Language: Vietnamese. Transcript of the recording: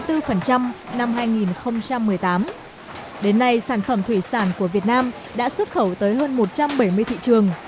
đến nay sản phẩm thủy sản của việt nam đã xuất khẩu tới hơn một trăm bảy mươi thị trường